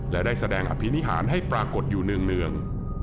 และได้แสดงอภินิหารให้ปรากฏอยู่เนื่อง